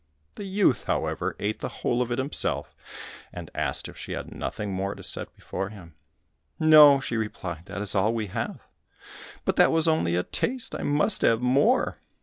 The youth, however, ate the whole of it himself, and asked if she had nothing more to set before him. "No," she replied, "that is all we have." "But that was only a taste, I must have more."